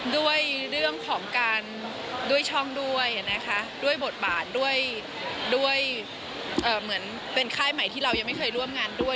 ด้วยเรื่องของการด้วยช่องด้วยนะคะด้วยบทบาทด้วยเหมือนเป็นค่ายใหม่ที่เรายังไม่เคยร่วมงานด้วย